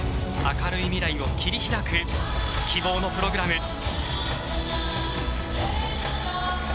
明るい未来を切り開く希望のプログラム。